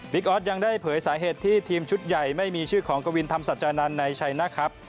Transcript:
ออสยังได้เผยสาเหตุที่ทีมชุดใหญ่ไม่มีชื่อของกวินธรรมสัจจานันทร์ในชัยนะครับ